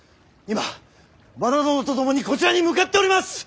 今和田殿と共にこちらに向かっております！